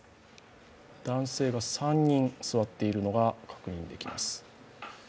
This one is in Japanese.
男性が３人座っているのが確認できます。